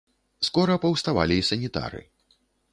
Скора паўставалі і санітары.